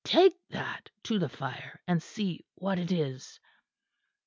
"T take that to the fire and see what it is."